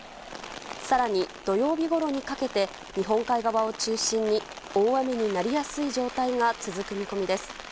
更に、土曜日ごろにかけて日本海側を中心に大雨になりやすい状態が続く見込みです。